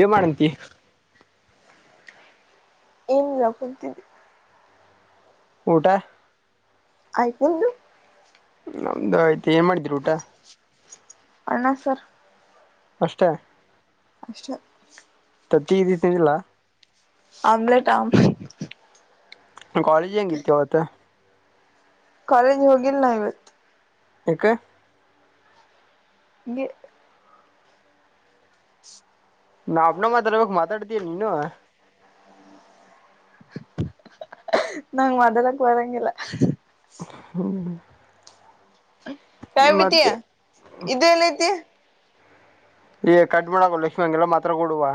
ಏ ಮಾಡಂತಿ. ಏನಿಲ್ಲ ಕುಂತೀದ್ವಿ. ಊಟಾ. ಆಯ್ತ್ ನೀಮ್ದು. ನಮ್ದು ಆಯ್ತ ಏನ್ ಮಾಡಿದ್ರಿ ಊಟಾ ಅಣ್ಣಾ ಸಾರು ಅಷ್ಟೇ ಅಷ್ಟ ತತ್ತಿಗಿತಿ ತಿಂದಿಲ್ಲ. ಆಮ್ಲೆಟ್ ಆಮ್ ಕಾಲೇಜ್ ಹೆಂಗಿತ್ತ ಇವತ್ತ. [inaudible] ಕಾಲೇಜ್ಗೆ ಹೋಗಿಲ್ಲ ನಾ ಇವ ಯಕ. ಹಂಗೆ [unintelligible] ನಾ ಒಬ್ಬನ ಮಾತಾಡ್ಬೇಕ್ ಮಾತಾಡ್ತೀಯ ನೀನು ನಂಗ್ ಮಾತಾಡಾಕ ಬರಂಗಿಲ್ಲಾ ಹೌದಾ ಮತ್ತೆ [unintelligible] ಇದು ಎಲ್ಲೈತಿ. ಏ ಕಟ್ ಮಾಡೋಲೆ ಹಂಗೆಲ್ಲಾ ಮಾತಾಡಕ್ ಹೋಗ್ಬೇಡವ್ವಾ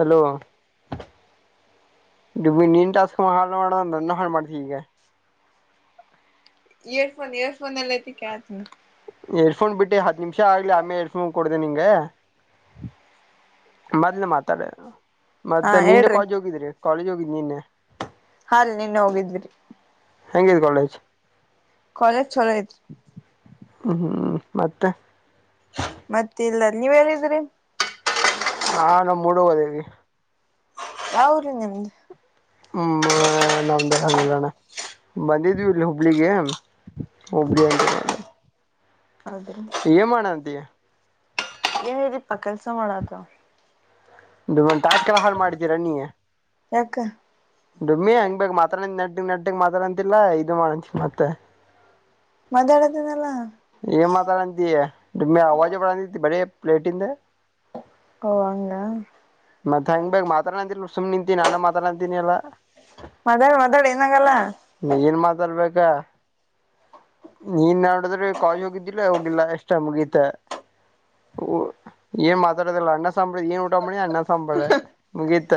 ಹಲೋ. ಡುಮ್ಮಿ ನೀನ್ ಟಾಸ್ಕ್ ಹಾಳ ಮಾಡೋನ್ನ ನನ್ನು ಹಾಳ್ ಮಾಡ್ತಿ ಹಿಂಗೆ. ಇಯರ್ಫೋನ್ ಇಯರ್ಫೋನ್ ಎಲ್ಲೈತಿ ಕೇಳಾತೇನ್ ನಾ. ಎಡ್ಫೋನ್ ಬಿಟ್ಟಿ ಹದ್ ನಿಮಿಷ ಆಗ್ಲಿ ಆಮೇ ಎಡ್ಫೋನ್ ಕೊಡ್ತೇನ್ ನಿಂಗ. ಮದ್ಲ ಮಾತಾಡ ಹಾ ಮತ್ತ ನಿನ್ನೆ ಹೇಳ್ರಿ ಕಾಲೇಜ್ ಹೋಗಿದ್ರಿ ಕಾಲೇಜ್ ಹೋಗಿದ ನಿನ್ನೆ? ಹಾರಿ ನಿನ್ನೆ ಹೋಗಿದ್ವಿ ರಿ. ಹೆಂಗಿದೆ ಕಾಲೇಜ್? ಕಾಲೇಜ ಚಲೋ ಐತ್ರಿ. ಹ್ಮ್ ಹ್ಮ್ ಮತ್ತ ಮತ್ತ ಇಲ್ಲ ನೀವ್ ಎಲ್ಲಿದ್ರಿ? ನಾ ನಮ್ಮ ಹುಡುಗ ಅದೇವಿ. ಯಾ ಉರ್ರಿ ನಿಮ್ದ? ಹ್ಮ್ ನಮ್ಮ ನಮ್ಮದ [unintelligible] ಬಂದಿದ್ವಿ ಇಲ್ಲಿ ಹುಬ್ಳಿಗ ಹುಬ್ಬಳಿ ಹಂತೇಲಿ ಹೌದ್ರಿ ಏನ್ ಮಾಡತಿ? ಏನಿಲ್ರಪ್ಪಾ ಕೆಲ್ಸಾ ಮಾಡಾತೆವ್. ಟಾಸ್ಕ್ ಎಲ್ಲಾ ಹಾಳ್ ಮಾಡಿದ್ದೀರ ನೀ. ಯಾಕ್? ಡಮ್ಮಿ ಹಂಗ ಬೇಕ್ ಮಾತಾಡ್ ಅಂತ್ ನೆಟ್ಟಗ್ ನೆಟ್ಟಗ್ ಮಾತಾಡ ಅಂತಿನ್ಲಾ ಇದು ಮಾಡ್ತೀ ಮತ್ತೆ ಮಾತಾಡತೇನಲ್ಲಾ. ಏನ್ ಮಾತಾಡಂತಿ ಡುಮ್ಮಿ ಅವಾಜೆ ಬರಾತೇತ್ ಬರೇ ಪ್ಲೇಟಿಂದ. ಓ ಹಂಗಾ ಮತ್ತೆ ಹೆಂಗ್ ಬೇಕ್ ಮಾತಾಡಂತಿಲ್ಲ ಸುಮ್ ನಿಂತಿ ನಾನ ಮಾತಾಡತಿನ್ ಎಲ್ಲಾ. ಮಾತಾಡ್ ಮಾತಾಡ್ ಏನ್ ಆಗಲ್ಲಾ. ನೀನ್ ಮಾತಾಡ್ಬೇಕ. ನೀನ್ ನೋಡುದ್ರೆ ಕಾಲೇಜ್ ಹೋಗಿದ್ದಿಲ್ಲ ಹೋಗಿಲ್ಲಾ ಅಷ್ಟ ಮುಗೀತ. ಊ ಏನ್ ಮಾತಾಡದೀಲ್ಲ ಅಣ್ಣ ಸಾಂಬ್ರಾ ಏನ್ ಊಟ ಮಾಡಿ ಅಣ್ಣಾ ಸಾಂಬಾರ್ ಮುಗಿತ್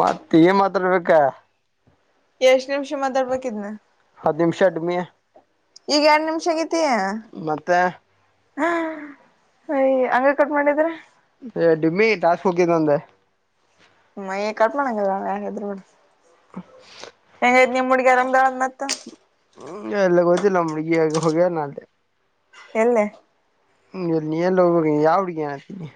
ಮತ್ತ ಏನ್ ಮಾತಾಡ್ಬೇಕಾ? ಎಷ್ಟ್ ನಿಮಿಷ ಮಾತಾಡ್ಬೇಕಿದ್ನ? ಹತ್ತ ನಿಮಿಷ ಡುಮ್ಮಿ. ಈಗ ಯಾಡ್ ನಿಮ್ಷಾ ಆಗೇತಿ. ಮತ್ತೆ ಹ ಅಯ್ಯ ಹಂಗೆ ಕಟ್ ಮಾಡಿದ್ರೆ. ಏ ಡುಮ್ಮಿ ಟಾಸ್ಕ್ ಹೋಗ್ತೆತ್ ನಂದ. ಮ ಏ ಕಟ್ ಮಾಡಂಗಿಲ್ಲಾ ಹೆಂಗಿದ್ರ್ ಬಿಡ್ ಏ ನಿಮ್ಮುಡಗಿ [unintelligible] ಹ್ಮ ಎಲ್ಲ ಗೊತ್ತಿಲ್ಲ ನಮ್ ಹುಡುಗಿ ಅಲ್ಲಿ ಹೋಗೆ ಇಲ್ಲ ನಾ ಅಲ್ಲೇ. ಎಲ್ಲೆ? ಹ್ಮ ನೀ ಎಲ್ಲಿ ಹೋಗ ಯಾವ ಹುಡ್ಗಿ ಹೇಳಾತಿ ನೀ?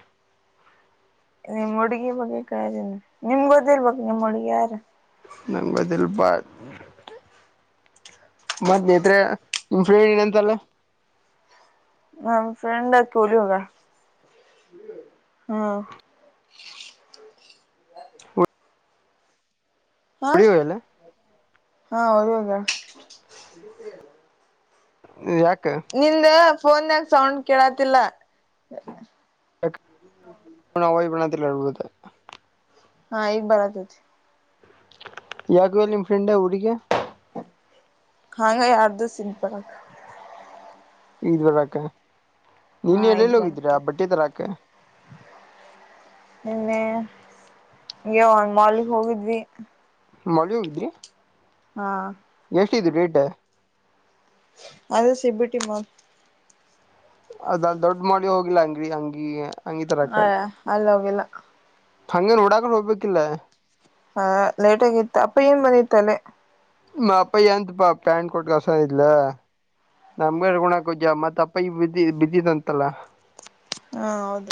ನಿಮ್ ಹುಡುಗಿ ಬಗ್ಗೆ ಕೇಳಿನಿ ನಿಮ್ಗ ಗೊತ್ತಿರಬೇಕ್ ನಿಮ್ ಹುಡ್ಗಿ ಯಾರ ಅಂತ್. ನಮ್ಗ ಗೊತ್ತಿಲ್ಲಪ್ಪಾ. ಮತ್ತ ನೇತ್ರೆ [unintelligible] ಅಂತಲ್ಲಾ. ನನ್ ಫ್ರೆಂಡ್ ಅಕಿ ಉರಿಗ್ ಹೋಗ್ಯಾಳ ಹ್ಮ್. ಹಾ ಹೊಡಿಯಲ್ಲ ಹಾ ಉರಿಗ್ ಹೊಗ್ಯಾಳ. ಯಾಕ? ನಿಂದ ಫೋನಗ ಸೌಂಡ್ ಕೇಳತಿಲ್ಲ ಹ [unintelligible] ಯ್ಪಣದಲ್ಲಿ ಹಳ್ಬುದು ಹಾ ಈಗ್ ಬರತತಿ ಯಾಕ ಹೋಗ್ಯಾನ ನಿಮ್ಮ ಫ್ರೆಂಡ ಊರಿಗೆ ಹಂಗ ಎರಡ್ ದಿವಸ ಇದ್ದ ಬರಾಕ ಇದ್ದ ಬರಾಕ ಹಾ ನಿನ್ನೆ ಈಗ ಎಲ್ಲೆಲ್ಲಿ ಬರ್ ಹೋಗಿದೀರ ಆ ಬಟ್ಟೆ ತರಾಕ ನಿನ್ನೆ ಮಾಲಿಗೆ ಹೋಗಿದ್ವಿ ಮಾಲಿಗಿ ಹೋಗಿದ್ರಿ ಹಾ ಎಷ್ಟಿದ್ ರೇಟ್ ಅದ ಸಿಬಿಟಿ ಮಾಲ್ ಅದ ದೊಡ್ಡ ಮಾಲಿಗಿ ಹೋಗಿಲ್ಲ ಅಂಗ್ರೀ ಹಂಗಿ. ಹ ಅಲ್ಲಿ ಹೋಗಿಲ್ಲ. ಹಂಗ ನೋಡಾಕುನು ಹೋಗ್ಬೇಕಿಲ್ಲ. ಹ ಲೇಟ್ ಆಗಿತ್ತು ಅಪ್ಪ ಏನ್ ಬಂದಿತ್ತ ಅಲ್ಲೇ ನಿಮ್ಮ ಅಪ್ಪ ಪ್ಯಾಂಟ್ ಕೊಟ್ಟ ಕಲಸ್ಯನ ಇಲ್ಲಿ ನಮ್ಗ ಇಟ್ಕೊಳಕ ಜಾಗ ಇಲ್ಲಾ ಬಿದ್ದಿದಂತಲ್ಲ. ಹಾ ಹೌದು.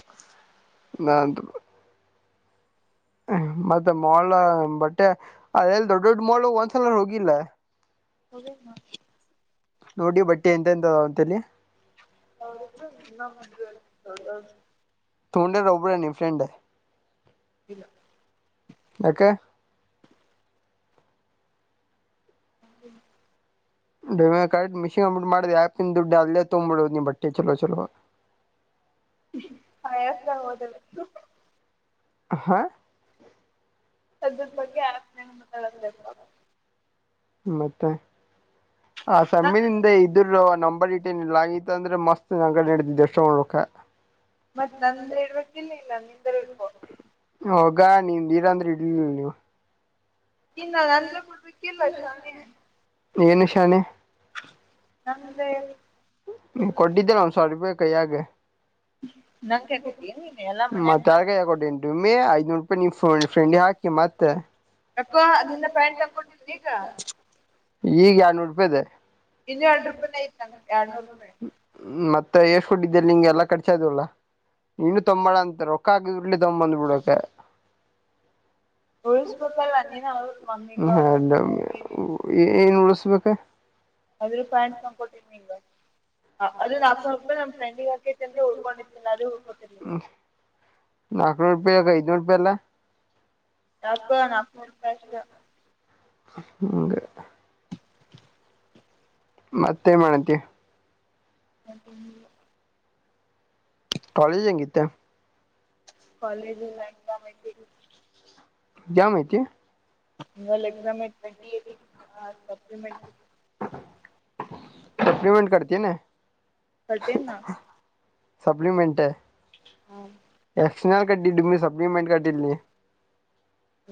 ಬಾ ಅಂತು ಮತ್ತೆ ಮಾಲ್ ಬಟ್ಟೆ ಅದ ಎಲ್ಲದೊಡ್ ದೊಡ್ ಮಾಲ್ ಒಂದ್ಸಲ ಹೋಗಿಲ್ಲ. ಹೋಗಿದ್ದೀನಿ ನೋಡಿ ಬಟ್ಟೆ ಎಂತ ಎಂತದ ಅದಾವ ಅಂತೇಳಿ. ಹೌದ ನಮ ಹೌೌ [unintelligible] ತೂಗೊಂಡಿದ್ದ ಒಬ್ರೆ ನಿಮ್ ಫ್ರೆಂಡ್. ಇಲ್ಲ. ಯಾಕ. ಹ್ಮ. ಡಿ ಕರೆಕ್ಟ್ [unintelligible] ಅಲ್ಲೇ ತೋಗಂಡಬೀಡು ಬಟ್ಟೆ ಚಲೋ ಚೊಲೋ. ಹತ್ರ ಹೋದಲ್ಲ. ಹಾ. ಅದರ ಬಗ್ಗೆ ಆ್ಯಪ್ ನಲ್ಲೇ ಮಾತಾಡಬೇಕು ಮತ್ತೆ ಆ ನ ಸಮ್ಮಿ ಹಿಂದೆ ಇದ್ದೆ. ಇದ ನಂಬರ್ ಇಟ್ ಏನ್ ಇಲ್ಲ ಆಗತ್ತ ಅಂದ್ರೆ ಮಸ್ತ್ ಅಂಗಡೆ ನಡತ ದಶ ಮಾಡಬೇಕಾ. ಮತ್ ನಂದ ಇಡ್ಬೇಕ ಇಲ್ಲ ಇಲ್ಲ ನೀ ನಂದ ಹೋಗ ನಿನ್ ಇಡು ಅಂದ್ರೆ ಇಡ್ಲಿಲ್ಲ ನೀವು. ಇಲ್ಲ ನಂದರ ಕೊಡ್ಬೇಕ ಇಲ್ಲ ಶಾನೆ. ಹೂ ಕೊಟ್ಟಿದ್ದೇನೆ ಒಂದ್ ಸಾವಿರ ರೂಪಾಯಿ ಕೈಯಾಗ ನಂಗೆ ಕೊಟ್ಟಿ ನೀನ್ ಎಲ್ಲಾ ಮನ್ಯಾಗ ಮತ್ತೆ ಬರ್ ಯಾರ ಕೈಯಾಗ ಕೊಟ್ಟಿನಿ. ಡುಮ್ಮಿ ಐದುನೂರು ರೂಪಾಯಿ ನಿಮ್ ಫ್ರೆಂಡಗೆ ಹಾಕಿ ಮತ್ತೆ. ಯಾಕೋ ನಿಂದ ಪ್ಯಾಂಟ್ ತಂದ್ಕೊಟ್ಟಿದ್ನಿ ಈಗ. ಈಗ ಎರೆಡುನೂರು ರೂಪಾಯಿದೂ. ಇನ್ನೂ ಎರಡ್ ರೂಪಾಯಿನ ಐತ್ ನಂಗೆ ಎರಡ್ನೂರು ರೂಪಾಯಿ ಮತ್ತೆ ಎಷ್ಟ್ ಕೊಟ್ಟಿದ್ದೆ ನಿಂಗೆ ಎಲ್ಲ ಕರ್ಚ ಆಧುವಲಾ. ನೀನು ತುಗೊಂಡು ಬಾ ಅಂತೀರ ರೋಕ್ಕ ಹಾಕಿ ಕೂಡ್ಲೆ ತಂದ ಬಿಡಬೇಕು ಗುಳಷಪತಲ್ [unintelligible] ಮಮ್ಮಿಗ. [unintelligible] ಏನು ಉಳಿಸ್ಬೇಕ ಅದ್ರೂ ಪ್ಯಾಂಟ್ ತಂದ್ಕೊಟ್ಟಿರ್ನಿ ನಿಂಗ. ಅದ ನಾಲ್ಕನೂರು ರೂಪಾಯ ನಮ ಫ್ರೆಂಡ್ ಗಕ [unintelligible] ಉಳ್ಕೊತಿರ್ಲಿಲ್ಲ. ನಾಕ್ ನೂರು ಪೇ ಆಗ ಐದುನೂರು ಪೈ ಅಲಾ. ಅಬ್ಬಾ ನಾಕು ನೂರು ಪೈ ಅಸ್ಟೇ. ಹ್ಮಗೆ. ಮತ್ತೇ ಏನು ಮಾಡ್ತಿ. ಮತ್ತೆ ನಿಲ್ಲ. ಕಾಲೇಜ್ ಹೆಂಗಿತ್ತು. ಕಾಲೇಜಿಲ್ಲ ಎಕ್ಸಾಮ ಎತಿ ಜ ಮಾಐತಿ. [unintelligible] ಎಕ್ಸ್ ಆಯ್ತೆ [unintelligible] ಸಪ್ಲಿಮೆಂಟರಿ. ಸಪ್ಲಿಮೆಂಟ್ ಕಟ್ತಿಯೇನ. ಕಟ್ಟಿ ನಾ ಸಪ್ಲಿಮೆಟ್. [unintelligible] ಡಿಮಿಟ್ ಕಟ್ಟಡಿ ಇಲ್ಲಿ.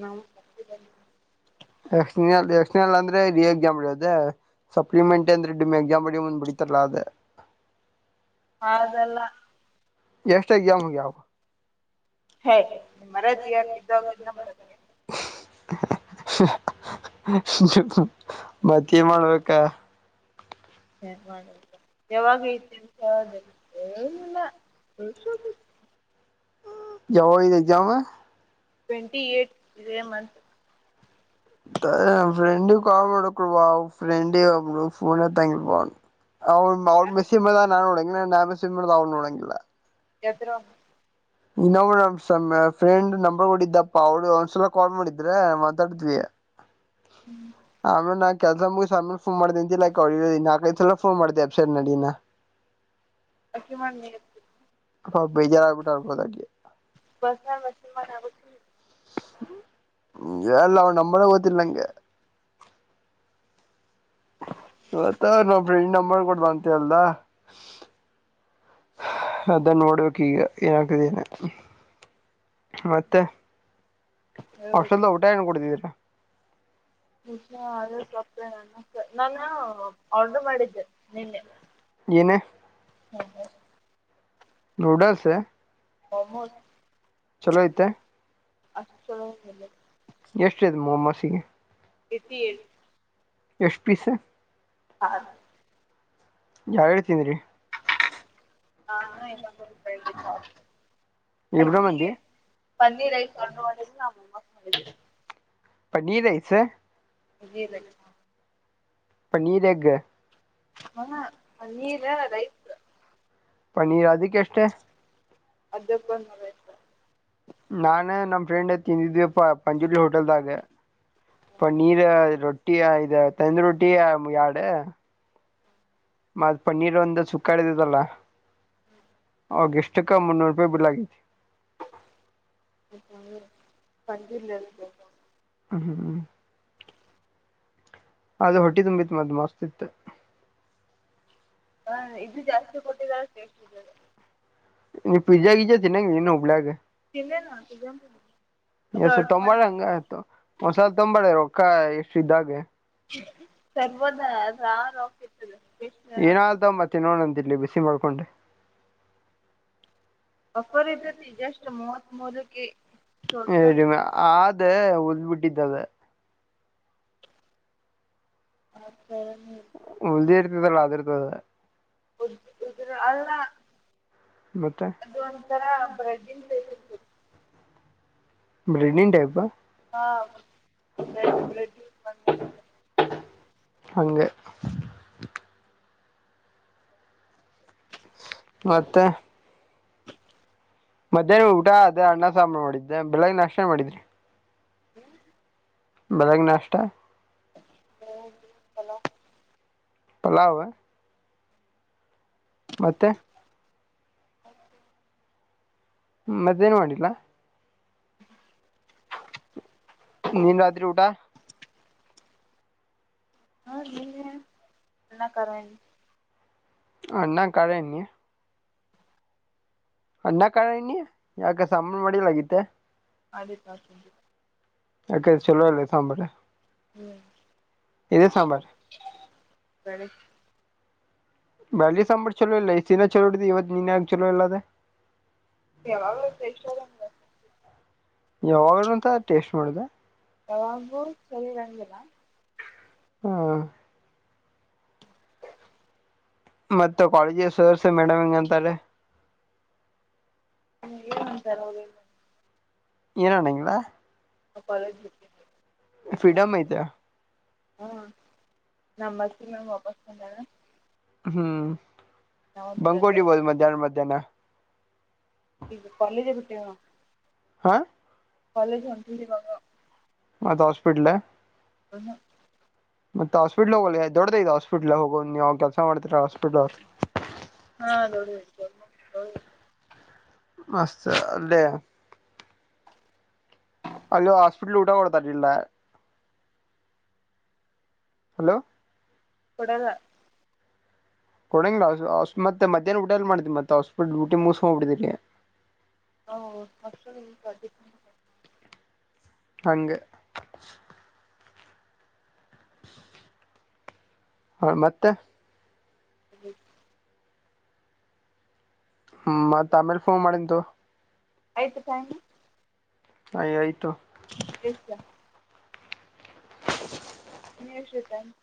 ನಾವ ಯಕ್ಷಣಲ್ ಯಕ್ಷಣಲ್ ಅಂದ್ರೆ ರಿ ಎಕ್ಸಾಮ್ ಇರುತ್ತೆ. ಸಪ್ಲಿಮೆಂಟಿ ಅಂದರೆೆ ನಿಮ್ಮ ಎಕ್ಸಾಮ್ಡಿ ಮುಂದ್ ಬಿಡಿತಾರಲ್ಲ ಅದೆ. ಅದಲ್ಲ ಎಷ್ಟ ಎಕ್ಸಾಮ್ ಹೋಗ್ಯಾವ ಹೇ ಮರದಿಯಾಕಿದ್ದಾಗ [unintelligible] ಮತ್ತೆ ಮಾಡ್ಬೇಕಾ ಹ ಮಾಡ ಯಾವಾಗ ಐತಿ ಅಂತ [unintelligible] ಜಾವ ಐದು ಜಾವ ಟ್ವೆಂಟಿ ಏಟ್ ಇದೆ ಮಂತ ಫ್ರೆಂಡ ಗ ಕಾಲ್ ಮಾಡಬೆಕವಾ ಫ್ರೆಂಡ ಒಬ್ಬಳು ಫೋನ ಎತ್ತಂಗಿಲ್ಲಾ ಅವ್ ಅವನ್ ಮೆಸಮ್ಮದಾ ನಾನ ನೊಡಂಗಿಲ್ಲ ನಾ ಮೆಸಮಾಡದಾಗ ಅವಳುನೊಡಂಗಿಲ್ಲ. ಗೆದ್ದರು ಇನ್ನ ಫ್ರೆಂಡ್ ನಂಬರ್ ಒಡ್ಡಿದ್ದಪ್ಪಾ ಅಳ್ಲು ಒಂದ್ಸಲ ಕಾಲ್ ಮಾಡಿದ್ರೆ ಮಾತಾಡ್ತಿಯ. [unintelligible] ಕೆಲಸ ಮುಗಿಸ ಸಾಮಿ ಫೋನ್ ಮಾಡದೆ ಲೈಕ್ ನಾಕ್ ಐದ ಸಲ ಫೋನ್ ಮಾಡ್ದ ಅಬ್ಸೆ ನಡಿನ. ಹಕಿ ಮಾಡ ನಿ. ಅ ಬೇಜಾರ ಆಗ್ಬಿಟ್ಟ ಅರ್ಬದಾಗಿ ಪರ್ಸನಲ್ ಮೆಸೇಜ್ ಮಾಡಿ ಹ್ಮಲ್ಲ ಅವನ್ ನಂಬರ ಗೊತ್ತಿಲ ನನಗೆ. ಇವತ್ತ ನಮ್ ಫ್ರೆಂಡ್ ನಂಬರ್ ಕೊಟ್ ಬಾ ಅಂತ ಹೆಳ್ದ. ಅದೆ ನೋಡಬೇಕ ಇಗ [unintelligible] ಮತ್ತೆ ಹೇಳ್ಬೇಕು ಹಾಸ್ಟೆಲ್ ದಗ ಊಟ ಏನ್ ಕುಡತಿದ್ದೀರಾ ಸೂಸಲಾ [unintelligible] ನಾನು ಅವಳದು ಮಾಡಿದ್ದೆ ನಿನ್ನೆ. ಏನೇ ನೂಡಲ್ಸ್ ಮೋಮೋಸ್. ಚಲೋ ಇತ್ತಾ ಅಷ್ಟ ಚಲೋ ಇರಲಿಲ್ಲ. ಎಷ್ಟರಿ ಇದು ಮೊಮ್ಮಸಿಗೆ? [unintelligible] ಈಸ್ಟ್ ಪೀಸ್? ಆರ್. ಯಾರ್ಯಾರ್ ತಿಂದ್ರಿ? ನಾನು ಇನ್ನೊಬ್ಬ ಫ್ರೆಂಡ್ಸ್ಇದ್ಧ. ಇಬ್ರ ಮಂದಿ ಪನ್ನೀರ್ ರೈಸ್ ಆರ್ಡರ್ [unintelligible] ಮಾಡಿದೀವಿ ಪನ್ನೀರ್ ರೈಸ್? ಗಿ ರೈಸ್ ಪನ್ನೀರ್ ಎಗ್? ಹಾ ಪನ್ನೀರು ರೈಸ್. ಪನ್ನೀರ್ ಅದಕ್ಕೆ ಎಷ್ಟೇ? ಅದ್ಕಕೊಂದ್ ನೂರಾಐವತ್ತು. ನಾನು ನಮ್ಮ ಫ್ರೆಂಡ್ ತಿಂದಿದ್ವಿಪ್ಪ ಪಂಜುರ್ಲಿ ಹೋಟೆಲ್ದಾಗ. ಪನ್ನೀರ್ ರೊಟ್ಟಿ ಇದ ತಂದೂರಿ ರೊಟ್ಟಿ ಎರಡು. ಮತ್ ಪನ್ನೀರ್ ಒಂದು ಸುಕ್ಕಡಿದದಲ್ಲ. ಅವ ಇಷ್ಟುಕ್ಕ್ ಮುನ್ನೂರಪಾಯಿ ಬಿಲ್ಲ್ ಆಗಯ್ತಿ. ಹೂ ಪಂಜುರ್ಲಿ [unintelligible] ಹ್ಮ ಹ್ಮ ಹ್ಮ ಅದು ಹೊಟ್ಟಿ ತುಂಬಿತ್ ಅದು ಮತ್ ಮಸ್ತಿತ್. ಹ ಇದು ಜಾಸ್ತಿ ಕೊಟ್ಟಿದ್ದಾರೆ ಟೆಸ್ಟ್ ಇರ್ಲಿಲ್ಲ. ನೀನ್ ಪಿಜ್ಜಾ ಗಿಜ್ಜ ತಿನ್ನಗಿಲ್ಲೆನ್ ಹುಬ್ಳಿಯಾಗ್. ತಿಂದೇನು ಅದು ಎಸ ಆರ್ಡರ್ ತಂಬಾಲ ಮಾಡಿ ಹಂಗ. ಒಂದ್ಸಲ ತೊಂಬಾ ರೊಕ್ಕಾಯ ಎಷ್ಟು ಇದ್ದಾಗೆ. ತರಬೋದ್ ಅದ್ರ ರೊಕ್ಕ ಇರ್ಲಿಲ್ಲ. ಏನಾದ್ರು ತೊಂಡ್ ಬಾ ತಿನ್ನೋಣನಂತ ಇಲ್ಲಿ ಬಿಸಿ ಮಾಡ್ಕೊಂಡ. ಆಫರ್ ಇರ್ತೇತಿ ಜಸ್ಟ್ ಮೂವತ್ತ್ ಮೂರಕ್ಕೆ ಟೋಟಲ್ ಹ ಅದ್ [unintelligible] ಹಾಂ ಸರಿ. ಉಳ್ದಿರುತ್ತಾದಲ್ ಅದರ್ತದ. ಉಳ್ದಿರಾಧಲ್ಲ ಮತ್ತೆ ಅದು ಒಂಥರ ಬ್ರೆಡ್ಡಿನ ಟೈಪ್ ಇರ್ತಿತಿ. ಬ್ರೆಡಿನ್ ಟೈಪ್? ಹಾ ಬ್ರ್ರಡ್ ಬ್ರಡ್. ಹಂಗ. ಮತ್ತೆ. ಮಧ್ಯಾಹ್ನ ಊಟ ಅದ ಅನ್ನ ಸಾಂಬಾರು ಮಾಡಿದ್ದೆ ಬೆಳಗ್ಗೆ ನಾಷ್ಟ ಏನ್ ಮಾಡಿದ್ರಿ? ಬೆಳೆಗ್ಗೆ ನಾಷ್ಟಾ? ಪಲಾವ್. ಪಲಾವ? ಮತ್ತೆ. ಹ್ಮ್ ಮತ್ತೇನು ಮಾಡಿಲ್ಲಾ. ನೀನ್ ರಾತ್ರಿ ಊಟ. ಅನ್ನ ಕಾರ ಎಣ್ಣಿ. ಅನ್ನ ಕಾರ ಎಣ್ಣಿ? ಅನ್ನ ಕಾರ ಎಣ್ಣಿ ಯಾಕ ಸಾಂಬರ್ ಮಾಡಿಲಗಿತ್ತು? ಅದೇ ತಕಿ [unintelligible] ಜೊತೆ ಅ ಚಲೋ ಇಲ್ವಾ ಸಾಂಬಾರು ಇದೇ ಸಾಂಬಾರ್ ಹೇಳಿ ಬಳ್ಳಿ ಸಾಂಬಾರು ಚಲೋ ಇಲ್ಲ ಈ [unintelligible] ಸ ದಿನ ಚಲೋಡಿದ ಇವತ್ತು ನೀನ್ ಆಗ ಚಲೋ ಇಲ್ಲದದೆ ಯಾವಾಗಲು [unintelligible] ಪ್ರೆಷರ್ ಯಾವಾಗ್ಲು ಅಂತ ಟೇಸ್ಟ್ ಮಾಡಿದ ತವಾಂಬೂರು ಸರಿರಂಗಲ್ಲಾ ಹಾ ಮತ್ತೆ ಕಾಲೇಜ್ ಸೇರ್ಸಿ ಮೇಡಮ್ ಅಂತಾರೆ ಈಗೇನ್ ಅಂತಾರೆ ಏನಣಂಗಾ ಇಂಗ್ಲ ಕಾಲೇಜ ಇ ಫ್ರೀಡಮ್ [inaudible] ಐತೆ ಹಾಂ ನಂಬರ್ಸಗೆ ವಾಪಸ್ ಬೊಂಡಾನ [unintelligible] ಹ್ಮ್ ನಾವೊಂದು ಬಂಗೋಜೀ ರಜೆ ಬೋದ್ ಮಧ್ಯಾಹ್ನ ಮಧ್ಯಾಹ್ನ ಇಗ ಕಾಲೇಜ ಬಿಟ್ಟೆನ ಹಾ ಕಾಲೇಜ್ಗೆ ಒಂಟಿವಿ ಇವಾಗ ಮದು ಹಾಸ್ಪಿಟಲ್ ಮತ್ ಹಾಸ್ಪಿಟ್ಲ್ ಹೋಗ ದೊಡ್ದು ಇದು ಹಾಸ್ಪಿಟಲ್ ಹೋಗ ನೀವು್ ಕೆಲಸ ಮಾಡ್ತರ ಹಾಸ್ಪಿಟಲ್ ಹಾ ದೌಡಿ [inaudible] ಮಸ್ತ್ ಅಲ್ಲೇ ಅಲ್ಲಿ ಹಾಸ್ಪಿಟ್ಲ್ ಊಟ ಕೊಡ್ತಾರಿಲ್ಲ ಹಲೋ ಕೊಡೊದ ಕೊಡಂಗ ಮತ್ತ [unintelligible] ಮ್ಯಾಹನ ಊಟಲ್ ಮಾಡಿದ ಮತ್ತ ಹಾಸ್ಪಿಟ್ಲ್ ಟಿ ಮುಗಸ ಹೋಗಬ ಬಿಡಿದ್ರರಿ [unintelligible] ಹೌ ಮಡ್ [unintelligible] [inaudible] ಹಂಗೆ ಹಾ ಮತ್ತೆ ಹ್ಞೂ [inaudible] ಹ್ಮ ಮತ್ತ್ ಆಮೇಲೆ ಫೋನ್ ಮಾಡಿದ್ದು ಐತು ಟೈಮ್ ಆಯ ಆಯ್ತು ಎಷ್ಟ ಇನ್ನು ಎಷ್ಟ್ ಟೈಮ್